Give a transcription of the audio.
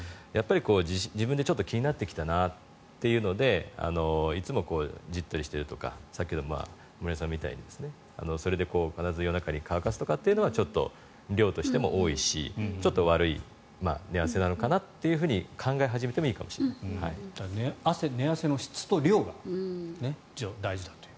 自分で気になってきたなというのでいつもじっとりしてるとかさっきの森山さんみたいにそれで必ず夜中に乾かすというのはちょっと量としても多いしちょっと悪い寝汗なのかなと寝汗の質と量が大事だという。